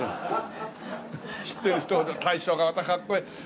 知ってる人大将がまたかっこいい。